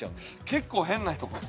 結構変な人かも。